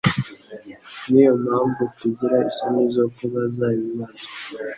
ni yo mpamvu tugira isoni zo kubaza ibibazo